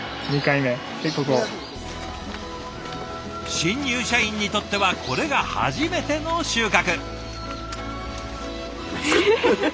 新入社員にとってはこれが初めての収穫。